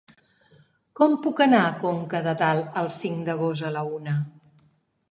Com puc anar a Conca de Dalt el cinc d'agost a la una?